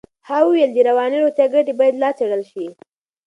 ها وویل د رواني روغتیا ګټې باید لا څېړل شي.